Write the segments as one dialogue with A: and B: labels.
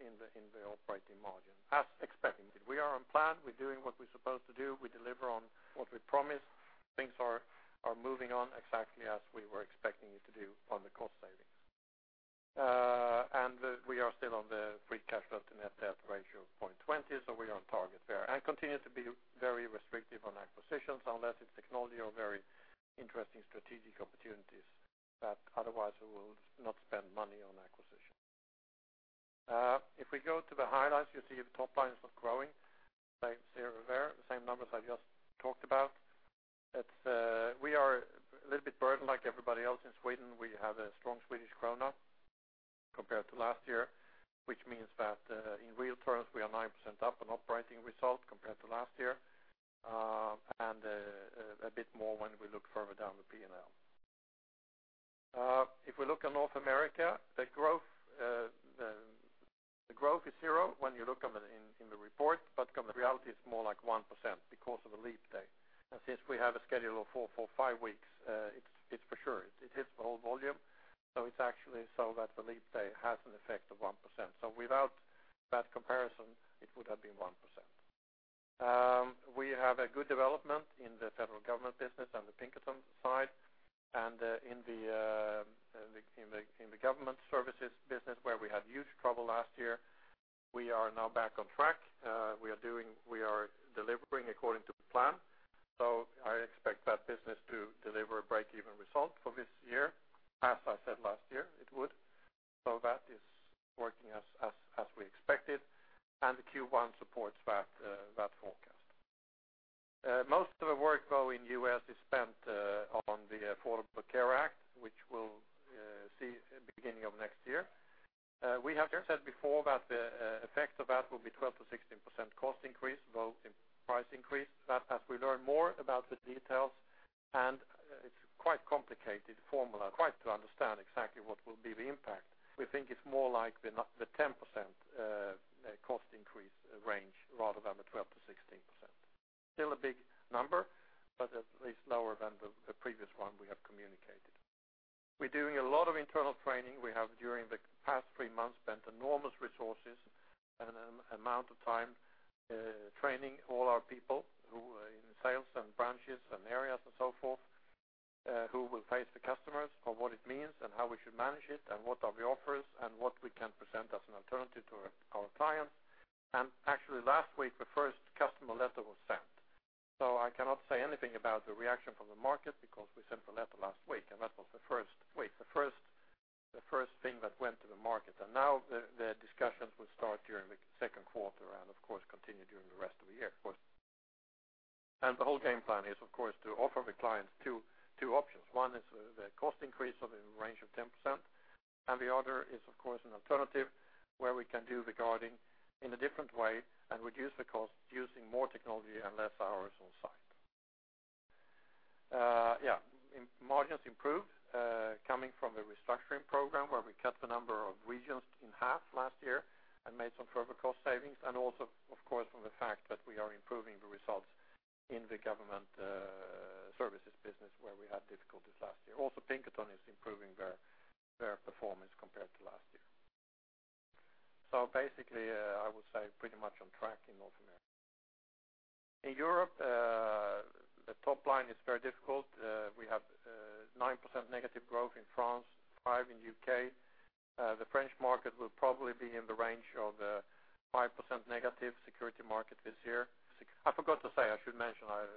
A: in the operating margin, as expected. We are on plan. We're doing what we're supposed to do. We deliver on what we promised. Things are moving on exactly as we were expecting it to do on the cost savings. We are still on the free cash flow to net debt ratio of 0.20, so we are on target there. We continue to be very restrictive on acquisitions unless it's technology or very interesting strategic opportunities that otherwise we will not spend money on acquisition. If we go to the highlights, you see the top line is not growing. Same there, there. The same numbers I just talked about. It's, we are a little bit burdened, like everybody else, in Sweden. We have a strong Swedish krona compared to last year, which means that, in real terms, we are 9% up on operating result compared to last year, and, a bit more when we look further down the P&L. If we look at North America, the growth is zero when you look at it in the report, but the reality is more like 1% because of the leap day. And since we have a schedule of four, five weeks, it's for sure. It hits the whole volume. So it's actually so that the leap day has an effect of 1%. So without that comparison, it would have been 1%. We have a good development in the federal government business and the Pinkerton side. And in the government services business, where we had huge trouble last year, we are now back on track. We are delivering according to plan. So I expect that business to deliver a break-even result for this year, as I said last year, it would. So that is working as we expected. And the Q1 supports that forecast. Most of the work, though, in the U.S. is spent on the Affordable Care Act, which we'll see beginning of next year. We have said before that the effect of that will be 12%-16% cost increase, though in price increase. But as we learn more about the details and it's quite complicated formula quite to understand exactly what will be the impact. We think it's more like the 10% cost increase range rather than the 12%-16%. Still a big number, but at least lower than the previous one we have communicated. We're doing a lot of internal training. We have, during the past three months, spent enormous resources and an amount of time, training all our people who, in sales and branches and areas and so forth, who will face the customers on what it means and how we should manage it and what are the offers and what we can present as an alternative to our clients. And actually, last week, the first customer letter was sent. So I cannot say anything about the reaction from the market because we sent the letter last week, and that was the first thing that went to the market. And now the discussions will start during the second quarter and, of course, continue during the rest of the year, of course. And the whole game plan is, of course, to offer the clients two options. One is the cost increase in the range of 10%. And the other is, of course, an alternative where we can do it in a different way and reduce the cost using more technology and less hours on site. Yeah. Margins improved, coming from the restructuring program where we cut the number of regions in half last year and made some further cost savings. And also, of course, from the fact that we are improving the results in the government services business where we had difficulties last year. Also, Pinkerton is improving their performance compared to last year. So basically, I would say pretty much on track in North America. In Europe, the top line is very difficult. We have -9% growth in France, -5% in the U.K. The French market will probably be in the range of -5% negative security market this year. Sorry, I forgot to say. I should mention. I'm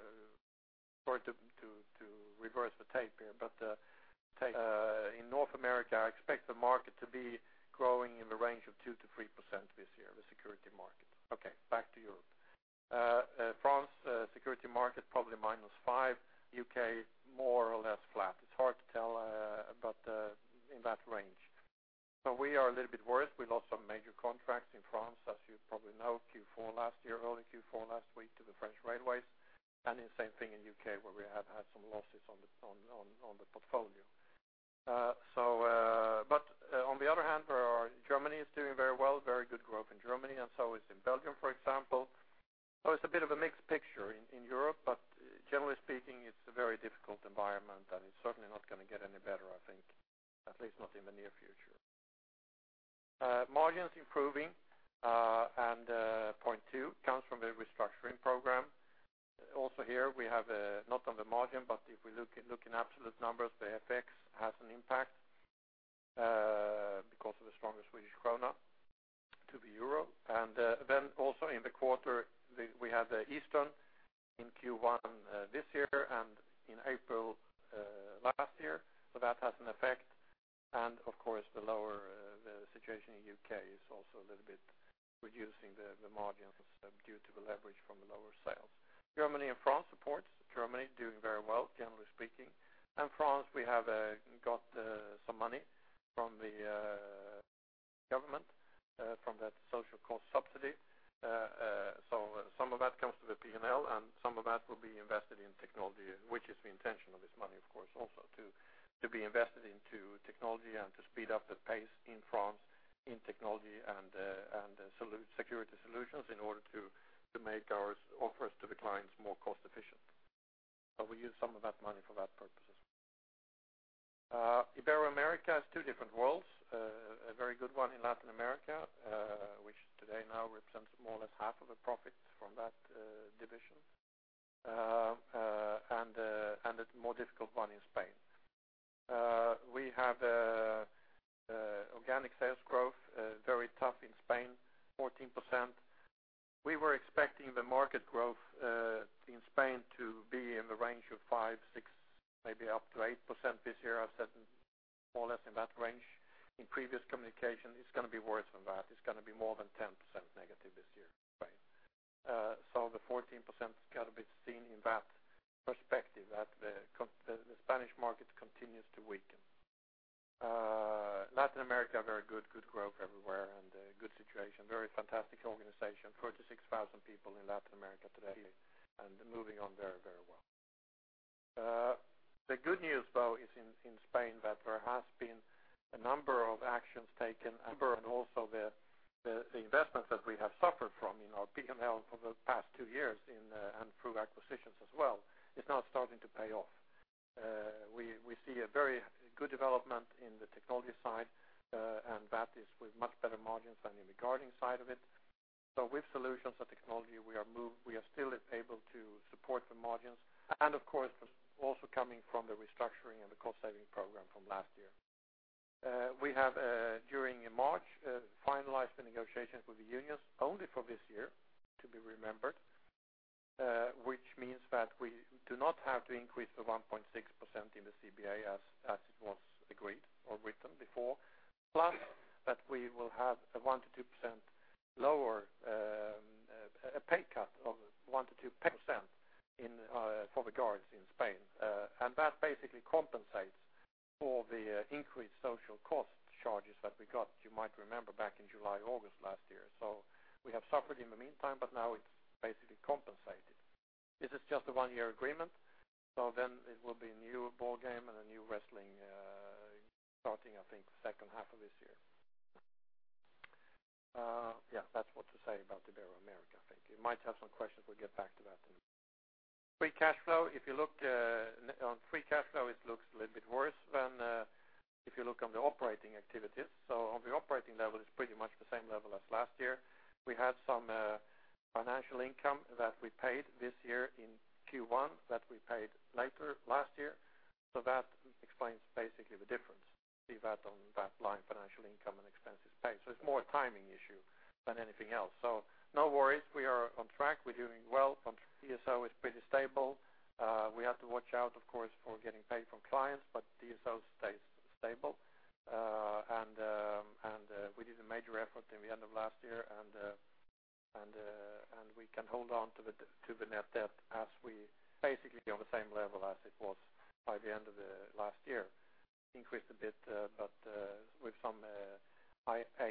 A: sorry to reverse the tape here, but in North America, I expect the market to be growing in the range of 2%-3% this year, the security market. Okay. Back to Europe. France, security market probably -5%. U.K., more or less flat. It's hard to tell, but in that range. So we are a little bit worse. We lost some major contracts in France, as you probably know, Q4 last year, early Q4 last week to the French Railways. And the same thing in the U.K. where we have some losses on the portfolio. So, but on the other hand, then Germany is doing very well. Very good growth in Germany. And so is Belgium, for example. So it's a bit of a mixed picture in Europe. But generally speaking, it's a very difficult environment, and it's certainly not gonna get any better, I think, at least not in the near future. Margins improving. 0.2 comes from the restructuring program. Also here, we have, not on the margin, but if we look at absolute numbers, the FX has an impact, because of the stronger Swedish krona to the euro. And then also in the quarter, we had the Easter in Q1, this year and in April, last year. So that has an effect. And of course, the lower situation in the U.K. is also a little bit reducing the margins, due to the leverage from the lower sales. Germany and France supports. Germany doing very well, generally speaking. And France, we have got some money from the government, from that social cost subsidy. So, some of that comes to the P&L, and some of that will be invested in technology, which is the intention of this money, of course, also to be invested into technology and to speed up the pace in France in technology and security solutions in order to make our offers to the clients more cost-efficient. So we use some of that money for that purposes. Ibero-America is two different worlds: a very good one in Latin America, which today now represents more or less half of the profits from that division, and a more difficult one in Spain. We have organic sales growth very tough in Spain, -14%. We were expecting the market growth in Spain to be in the range of five, six, maybe up to 8% this year. I've said more or less in that range in previous communication. It's gonna be worse than that. It's gonna be more than 10%- this year in Spain. So the 14% 's gotta be seen in that perspective, that the context, the Spanish market continues to weaken. Latin America, very good, good growth everywhere and, good situation. Very fantastic organization. 36,000 people in Latin America today. And moving on very, very well. The good news, though, is in Spain that there has been a number of actions taken and also the investments that we have suffered from in our P&L for the past two years and through acquisitions as well. It's now starting to pay off. We see a very good development in the technology side, and that is with much better margins than in the guarding side of it. So with solutions and technology, we are still able to support the margins. And of course, also coming from the restructuring and the cost-saving program from last year. We have, during March, finalized the negotiations with the unions only for this year, to be remembered, which means that we do not have to increase the 1.6% in the CBA as it was agreed or written before, plus that we will have a 1%-2% lower, a pay cut of 1%-2% for the guards in Spain. And that basically compensates for the increased social cost charges that we got, you might remember, back in July, August last year. So we have suffered in the meantime, but now it's basically compensated. This is just a one-year agreement. So then it will be a new ballgame and a new wrestling, starting, I think, second half of this year. Yeah. That's what to say about Ibero-America, I think. You might have some questions. We'll get back to that in a minute. Free cash flow. If you look on free cash flow, it looks a little bit worse than if you look on the operating activities. So on the operating level, it's pretty much the same level as last year. We had some financial income that we paid this year in Q1 that we paid later last year. So that explains basically the difference, see that on that line, financial income and expenses paid. So it's more a timing issue than anything else. So no worries. We are on track. We're doing well on track. DSO is pretty stable. We have to watch out, of course, for getting paid from clients, but DSO stays stable. And we did a major effort in the end of last year. And we can hold on to the net debt as we basically on the same level as it was by the end of the last year. Increased a bit, but with some IAC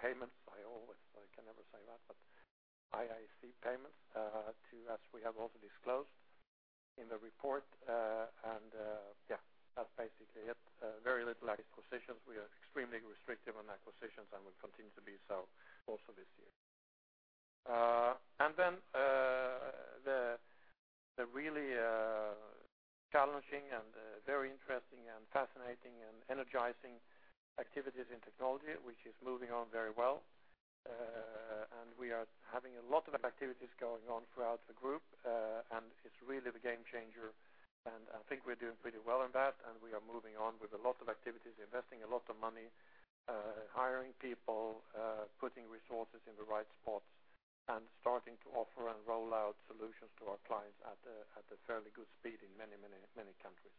A: payments. I always can never say that, but IAC payments, as we have also disclosed in the report. And yeah. That's basically it. Very little acquisitions. We are extremely restrictive on acquisitions, and we'll continue to be so also this year. And then the really challenging and very interesting and fascinating and energizing activities in technology, which is moving on very well. We are having a lot of activities going on throughout the group, and it's really the game changer. I think we're doing pretty well in that, and we are moving on with a lot of activities, investing a lot of money, hiring people, putting resources in the right spots, and starting to offer and roll out solutions to our clients at a fairly good speed in many, many, many countries.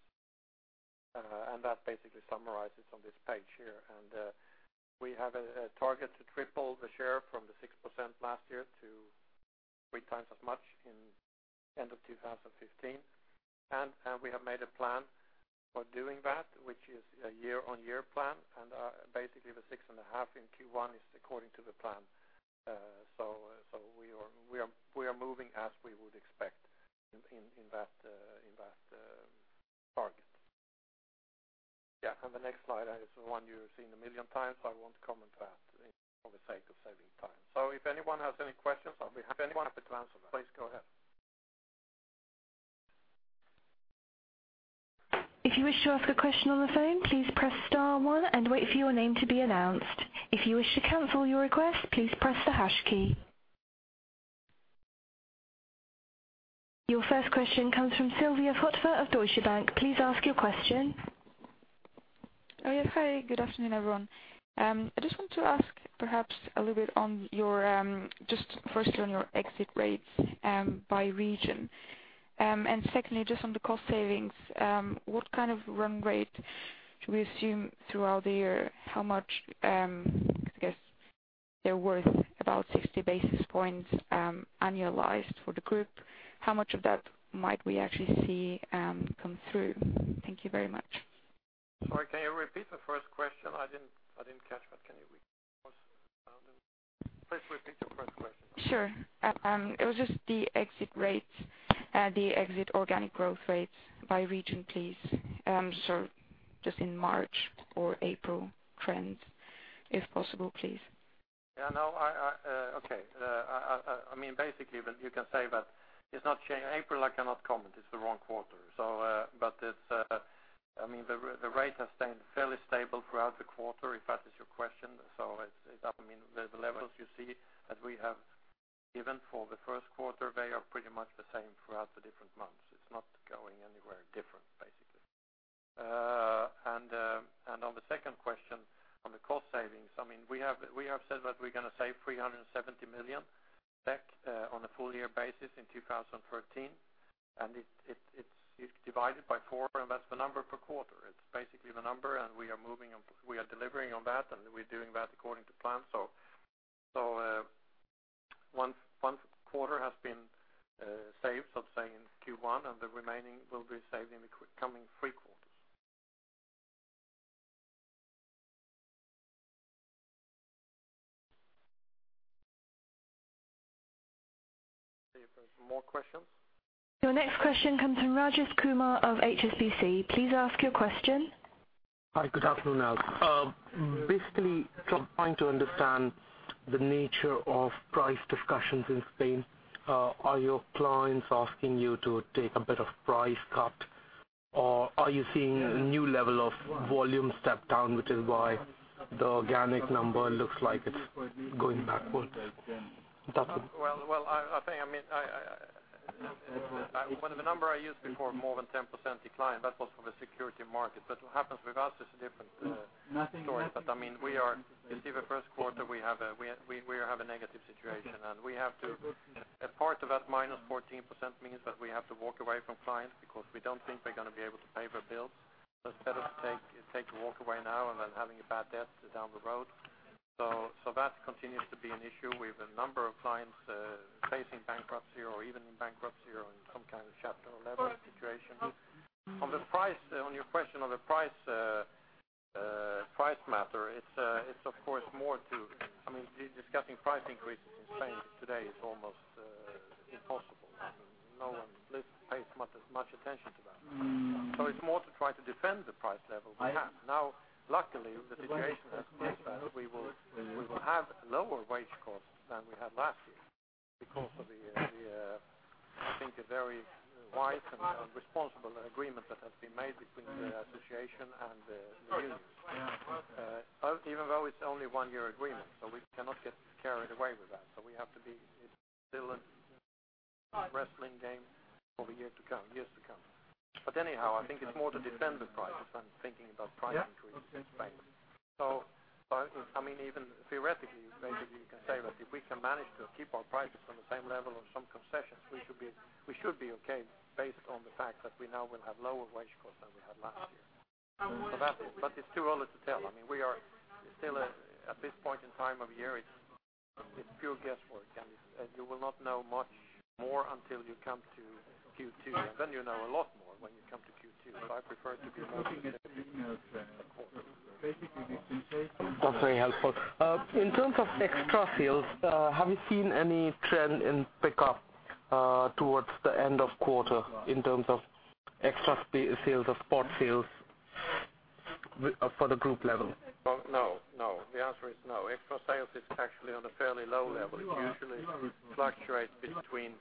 A: That basically summarizes on this page here. We have a target to triple the share from the 6% last year to three times as much in end of 2015. We have made a plan for doing that, which is a year-on-year plan. Basically, the 6.5 in Q1 is according to the plan. So, we are moving as we would expect in that target. Yeah. The next slide is the one you've seen a million times, so I won't comment on that for the sake of saving time. So if anyone has any questions, I'll be happy to answer that. Please go ahead.
B: If you wish to ask a question on the phone, please press star one and wait for your name to be announced. If you wish to cancel your request, please press the hash key. Your first question comes from Sylvia Barker of Deutsche Bank. Please ask your question.
C: Oh, yes. Hi. Good afternoon, everyone. I just want to ask perhaps a little bit on your, just firstly, on your exit rates, by region. And secondly, just on the cost savings, what kind of run rate should we assume throughout the year? How much, I guess they're worth about 60 basis points, annualized for the group. How much of that might we actually see come through? Thank you very much.
A: Sorry. Can you repeat the first question? I didn't catch that. Can you repeat? I didn't. Please repeat your first question.
C: Sure. It was just the exit rates, the exit organic growth rates by region, please. So just in March or April trends, if possible, please.
A: Yeah. No. Okay. I mean, basically, but you can say that it's not changing. April, I cannot comment. It's the wrong quarter. So, but it's, I mean, the rate has stayed fairly stable throughout the quarter, if that is your question. So it's, I mean, the levels you see that we have given for the first quarter, they are pretty much the same throughout the different months. It's not going anywhere different, basically. And on the second question, on the cost savings, I mean, we have said that we're gonna save 370 million, on a full-year basis in 2013. And it's you divide it by four, and that's the number per quarter. It's basically the number, and we are moving on, we are delivering on that, and we're doing that according to plan. So one quarter has been saved, so to say, in Q1, and the remaining will be saved in the coming three quarters. See if there's more questions.
B: Your next question comes from Rajesh Kumar of HSBC. Please ask your question.
D: Hi. Good afternoon, Alf Göransson. Basically, trying to understand the nature of price discussions in Spain. Are your clients asking you to take a bit of price cut, or are you seeing a new level of volume stepped down, which is why the organic number looks like it's going backwards?
A: That's it. Well, I think I mean, one of the number I used before, more than 10% decline, that was for the security market. But what happens with us is a different story. But I mean, as you see the first quarter, we have a negative situation, and part of that -14% means that we have to walk away from clients because we don't think they're gonna be able to pay their bills. So it's better to take a walk away now than having a bad debt down the road. So that continues to be an issue with a number of clients facing bankruptcy or even in bankruptcy or in some kind of Chapter 11 situation. On the price, on your question on the price, price matter, it's of course more to, I mean, discussing price increases in Spain today is almost impossible. I mean, no one else pays much attention to that. So it's more to try to defend the price level we have. Now, luckily, the situation has changed that we will have lower wage costs than we had last year because of the, I think, a very wise and responsible agreement that has been made between the association and the unions. Even though it's only one-year agreement, so we cannot get carried away with that. So we have to be—it's still a wrestling game for the year to come, years to come. But anyhow, I think it's more to defend the prices when thinking about price increases in Spain. So, so I mean, even theoretically, basically, you can say that if we can manage to keep our prices on the same level or some concessions, we should be okay based on the fact that we now will have lower wage costs than we had last year. So that's it. But it's too early to tell. I mean, we are still at this point in time of year, it's pure guesswork, and you will not know much more until you come to Q2. And then you know a lot more when you come to Q2. So I prefer to be more conservative. Basically, we've been taking that.
D: That's very helpful. In terms of extra sales, have you seen any trend in pickup towards the end of quarter in terms of extra spot sales or spot sales for the group level?
A: Well, no. No. The answer is no. Extra sales is actually on a fairly low level. It usually fluctuates between,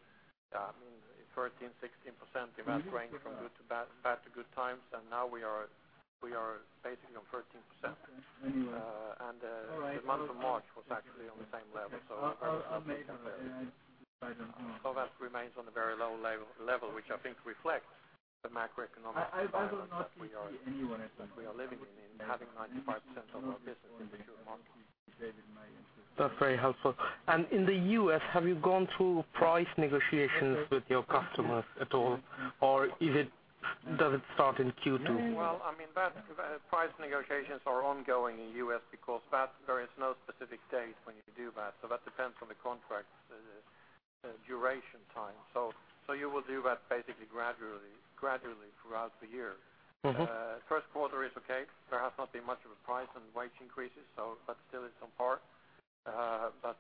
A: I mean, 13%-16% in that range from good to bad bad to good times. And now we are we are basically on 13%. And the month of March was actually on the same level. So very slow to compare. So that remains on a very low level, which I think reflects the macroeconomic situation that we are that we are living in. Having 95% of our business in the pure market.
D: That's very helpful. In the U.S., have you gone through price negotiations with your customers at all, or does it start in Q2?
A: Well, I mean, that price negotiations are ongoing in the U.S. because that there is no specific date when you do that. So that depends on the contract, duration time. So, so you will do that basically gradually, gradually throughout the year. First quarter is okay. There has not been much of a price and wage increases, so but still in some part. But,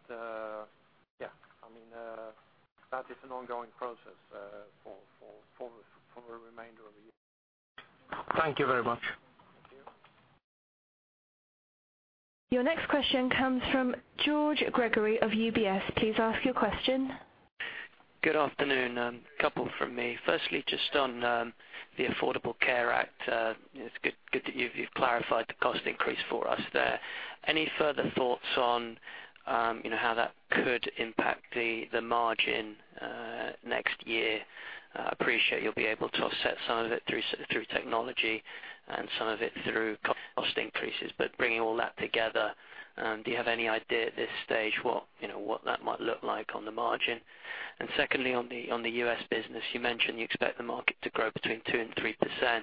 A: yeah. I mean, that is an ongoing process, for the remainder of the year. Thank you very much.
B: Your next question comes from George Gregory of UBS. Please ask your question.
E: Good afternoon. Couple from me. Firstly, just on the Affordable Care Act. It's good, good that you've, you've clarified the cost increase for us there. Any further thoughts on, you know, how that could impact the margin next year? I appreciate you'll be able to offset some of it through technology and some of it through cost increases. But bringing all that together, do you have any idea at this stage what, you know, what that might look like on the margin? And secondly, on the U.S. business, you mentioned you expect the market to grow between 2% and 3%.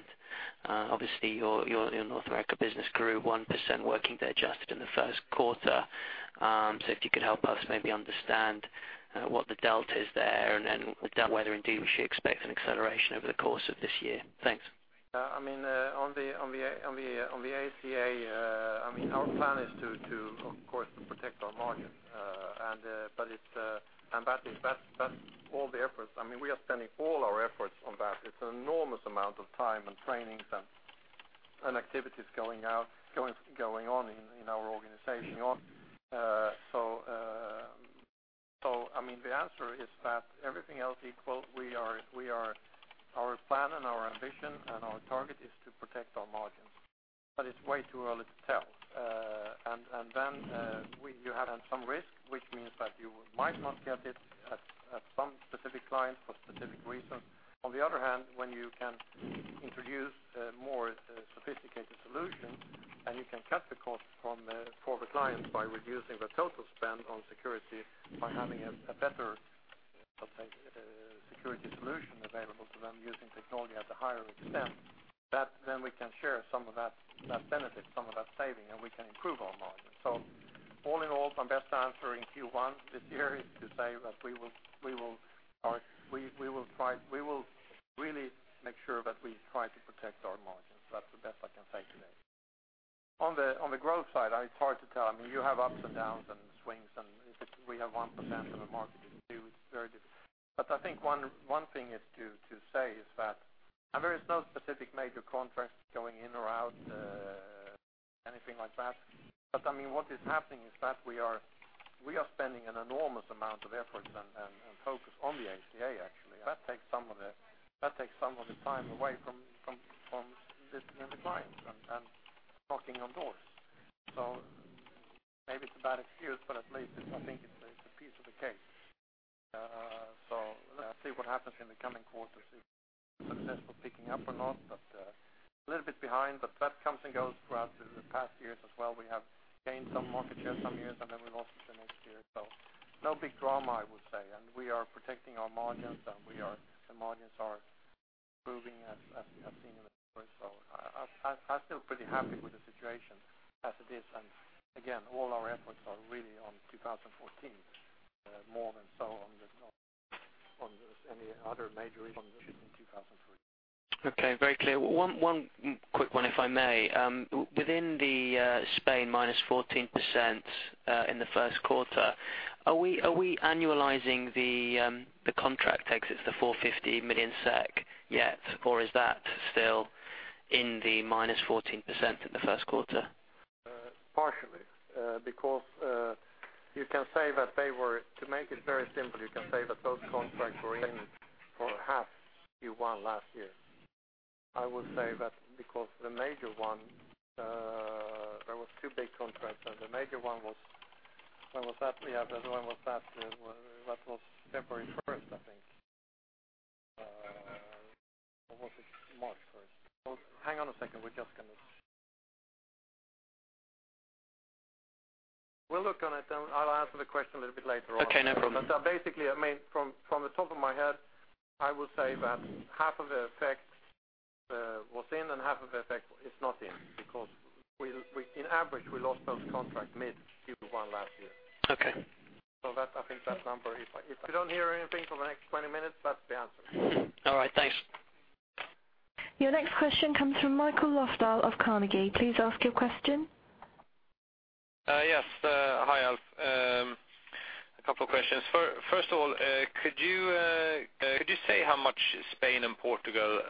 E: Obviously, your North America business grew 1% working day adjusted in the first quarter. So if you could help us maybe understand what the delta is there and then whether indeed we should expect an acceleration over the course of this year. Thanks.
A: Yeah. I mean, on the ACA, I mean, our plan is, of course, to protect our margin. that is, that's all the efforts. I mean, we are spending all our efforts on that. It's an enormous amount of time and trainings and activities going on in our organization. So, I mean, the answer is that everything else equal, our plan and our ambition and our target is to protect our margins. But it's way too early to tell. And then, you have some risk, which means that you might not get it at some specific clients for specific reasons. On the other hand, when you can introduce more sophisticated solutions, and you can cut the costs from for the clients by reducing the total spend on security by having a better, let's say, security solution available to them using technology at a higher extent, that then we can share some of that, that benefit, some of that saving, and we can improve our margins. So all in all, my best answer in Q1 this year is to say that we will Okay. Very clear.
E: One quick one, if I may. Within Spain, -14% in the first quarter, are we annualizing the contract exits, the 450 million SEK, yet, or is that still in the -14% in the first quarter?
A: Partially, because you can say that they were to make it very simple, you can say that those contracts were same for half Q1 last year. I would say that because the major one, there was two big contracts, and the major one was when was that? We have the other one was that that was February 1st, I think, or was it March 1st? So hang on a second. We're just gonna. We'll look on it, and I'll answer the question a little bit later on.
E: Okay. No problem.
A: But basically, I mean, from the top of my head, I would say that half of the effect was in, and half of the effect is not in because we, on average, lost those contracts mid-Q1 last year. So that I think that number. If I don't hear anything for the next 20 minutes, that's the answer. All right. Thanks.
B: Your next question comes from Mikael Löfdahl of Carnegie. Please ask your question.
F: Yes. Hi, Alf Göransson. A couple of questions. First of all, could you say how much Spain and Portugal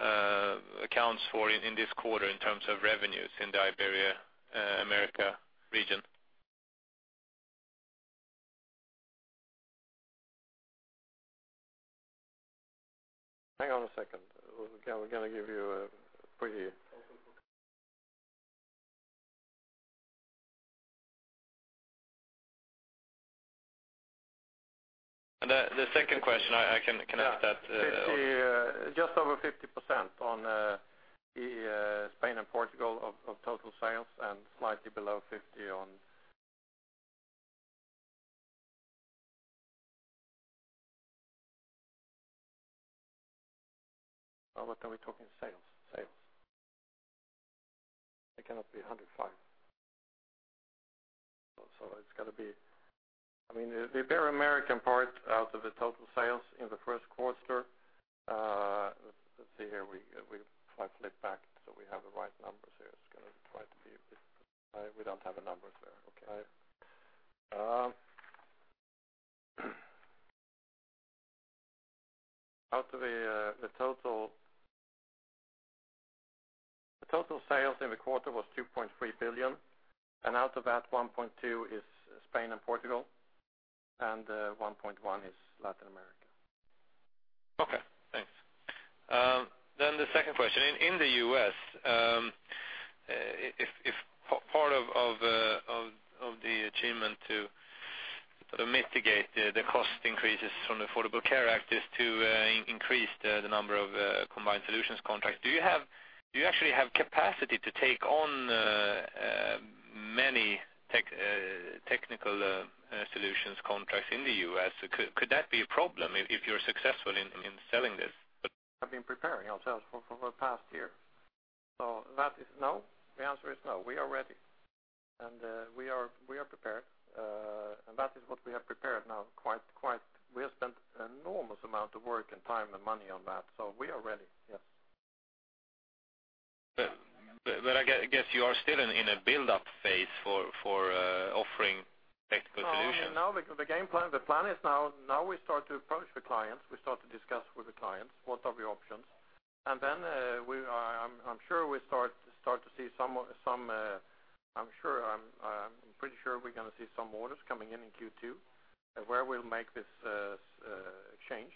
F: accounts for in this quarter in terms of revenues in the Ibero-America region?
A: Hang on a second. We're gonna give you a pretty. And the second question, I can connect that.
F: Yeah. Just over 50% on Spain and Portugal of total sales and slightly below 50 on. Oh, what are we talking?
A: Sales. Sales. It cannot be 105. So it's gotta be, I mean, the Ibero-American part out of the total sales in the first quarter. Let's see here. We, if I flip back so we have the right numbers here. It's gonna try to be a bit. I, we don't have the numbers there.
F: Okay.
A: Out of the total sales in the quarter was 2.3 billion, and out of that, 1.2 billion is Spain and Portugal, and 1.1 billion is Latin America.
F: Okay. Thanks. Then the second question. In the U.S., if part of the achievement to sort of mitigate the cost increases from the Affordable Care Act is to increase the number of combined solutions contracts. Do you actually have capacity to take on many technical solutions contracts in the U.S.? Could that be a problem if you're successful in selling this?
A: Have been preparing ourselves for the past year. So that is no. The answer is no. We are ready. And we are prepared. and that is what we have prepared now. We have spent an enormous amount of work and time and money on that. So we are ready.
F: Yes. But I guess you are still in a buildup phase for offering technical solutions?
A: No. Now the game plan, the plan is now we start to approach the clients. We start to discuss with the clients what are the options. And then, I'm sure we start to see some. I'm pretty sure we're gonna see some orders coming in in Q2, where we'll make this change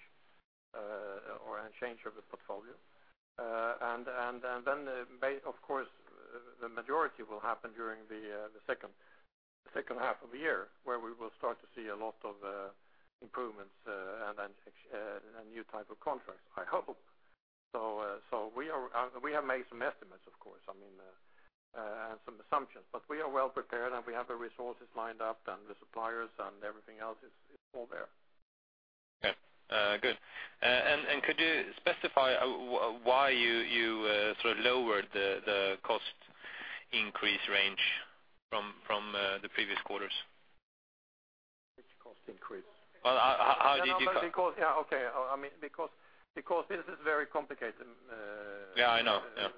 A: or a change of the portfolio. then, of course, the majority will happen during the second half of the year where we will start to see a lot of improvements, and a new type of contracts, I hope. So we have made some estimates, of course. I mean, and some assumptions. But we are well prepared, and we have the resources lined up, and the suppliers, and everything else is all there.
F: Okay. Good. And could you specify why you sort of lowered the cost increase range from the previous quarters? Which cost increase? Well, how did you?
A: No, but because yeah. Okay. I mean, because this is very complicated. Yeah. I know. Yeah.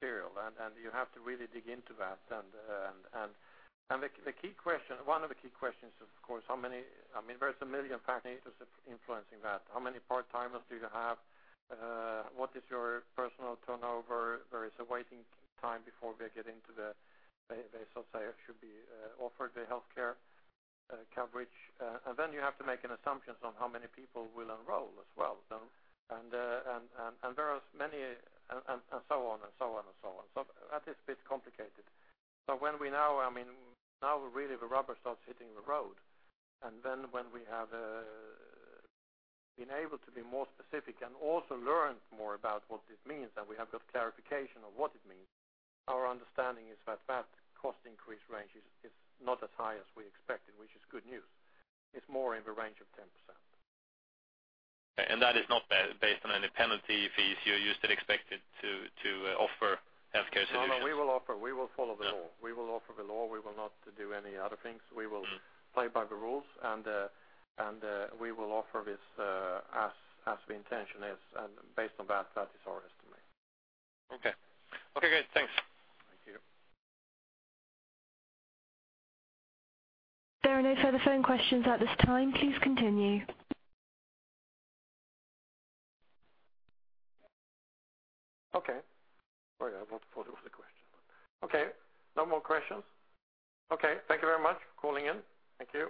A: Material. And you have to really dig into that. The key question, one of the key questions, is, of course, how many? I mean, there's a million factors influencing that. How many part-timers do you have? What is your personnel turnover? There is a waiting time before we get into the so to say should be offered the healthcare coverage. And then you have to make an assumption on how many people will enroll as well. And there are many, and so on and so on and so on. So that is a bit complicated. So when we now, I mean, now really, the rubber starts hitting the road. And then when we have been able to be more specific and also learned more about what this means, and we have got clarification of what it means, our understanding is that that cost increase range is not as high as we expected, which is good news. It's more in the range of 10%. And that is not based on any penalty fees. You're used to expect it to offer healthcare solutions. No, no. We will offer. We will follow the law. We will offer the law. We will not do any other things. We will play by the rules. And we will offer this, as the intention is. And based on that, that is our estimate. Okay. Okay. Great. Thanks. Thank you.
B: There are no further phone questions at this time. Please continue.
A: Okay. Oh, yeah. What was the question? Okay. No more questions? Okay. Thank you very much for calling in. Thank you.